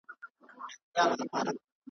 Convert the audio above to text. هر سيلاب يې بتشکن دی .